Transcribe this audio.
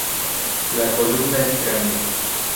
La columela es grande.